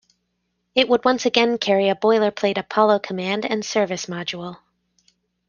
It would once again carry a boilerplate Apollo Command and Service Module.